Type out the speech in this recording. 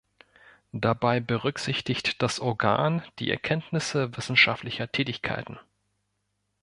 Dabei berücksichtigt das Organ die Erkenntnisse wissenschaftlicher Tätigkeiten.